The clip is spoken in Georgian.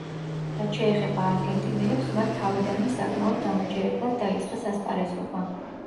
რაც შეეხება არგენტინელებს, მათ თავიდანვე საკმაოდ დამაჯერებლად დაიწყეს ასპარეზობა.